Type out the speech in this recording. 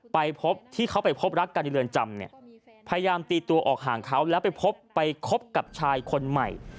ไปพบที่เขาไปพบรักกันในเรือนจำเนี่ยพยายามตีตัวออกห่างเขาแล้วไปพบไปคบกับชายคนใหม่